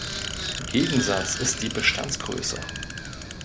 Gegensatz ist die Bestandsgröße.